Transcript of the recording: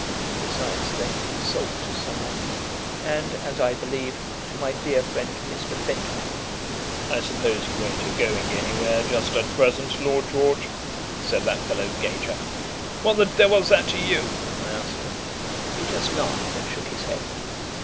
Besides, they have been sold to some one, and, as I believe, to my dear friend, Mr. Benjamin. 'I suppose you ain't a going anywhere just at present, Lord George?' said that fellow Gager. 'What the devil's that to you?' I asked him. He just laughed and shook his head.